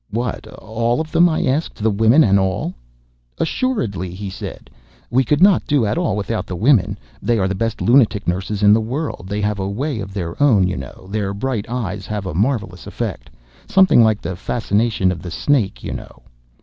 "What! all of them?" I asked,—"the women and all?" "Assuredly," he said,—"we could not do at all without the women; they are the best lunatic nurses in the world; they have a way of their own, you know; their bright eyes have a marvellous effect—something like the fascination of the snake, you know."